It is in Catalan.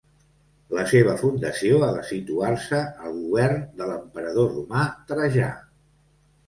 La seva fundació ha de situar-se al govern de l'emperador romà Trajà.